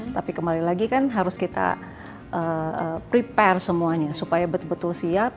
tapi kembali lagi kan harus kita prepare semuanya supaya betul betul siap